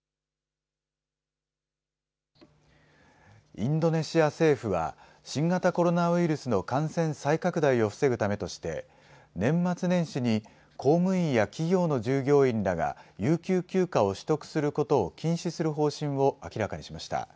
インドネシア政府は新型コロナウイルスの感染再拡大を防ぐためとして年末年始に公務員や企業の従業員らが有給休暇を取得することを禁止する方針を明らかにしました。